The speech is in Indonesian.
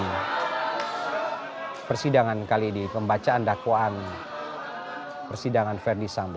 dan persidangan kali ini pembacaan dakwaan persidangan verdi sambo